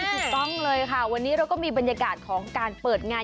ถูกต้องเลยค่ะวันนี้เราก็มีบรรยากาศของการเปิดงาน